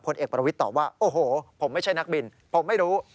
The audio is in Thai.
เอกประวิทย์ตอบว่าโอ้โหผมไม่ใช่นักบินผมไม่รู้